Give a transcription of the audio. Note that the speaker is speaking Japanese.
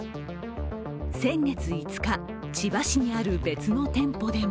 先月５日、千葉市にある別の店舗でも